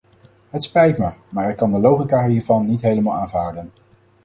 Het spijt me, maar ik kan de logica hiervan niet helemaal aanvaarden.